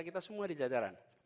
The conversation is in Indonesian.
kita semua di jajaran